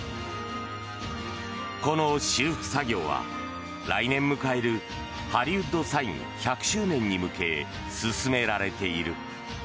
この修復作業は来年迎えるハリウッド・サイン１００周年に向け進められている。